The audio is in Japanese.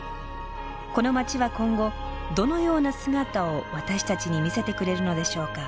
この街は今後どのような姿を私たちに見せてくれるのでしょうか？